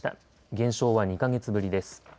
減少は２か月ぶりです。